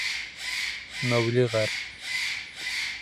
Мәүли ғәр.